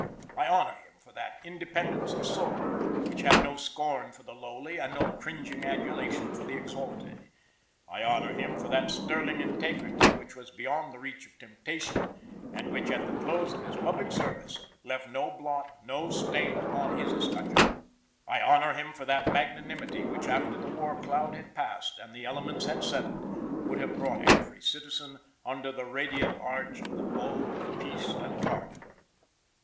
I honor him for that independence of soul which had no scorn for the lowly, and no cringing adulation for the exalted. I honor him for that sterling integrity which was beyond the reach of temptation, and which, at the close of his public service, left no blot, no stain upon his escutcheon. I honor him for that magnanimity which after the war cloud had passed, and the elements had settled, would have brought every citizen under the radiant arch of the bow of peace and pardon."